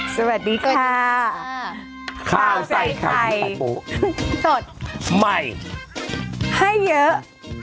สวัสดีค่ะข้าวใส่ไข่สดใหม่ให้เยอะ